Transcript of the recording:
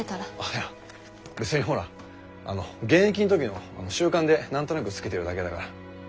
いや別にほらあの現役のときの習慣で何となくつけてるだけだから。